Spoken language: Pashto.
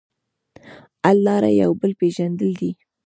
حل لاره یو بل پېژندل دي.